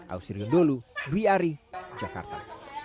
ausri kedolu b a r i jakarta